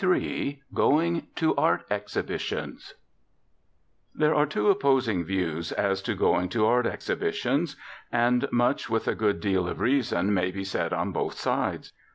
III GOING TO ART EXHIBITIONS There are two opposing views as to going to art exhibitions. And much with a good deal of reason may be said on both sides.